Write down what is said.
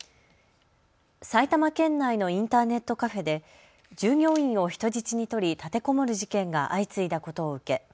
埼玉県内のインターネットカフェで従業員を人質に取り、立てこもる事件が相次いだことを受け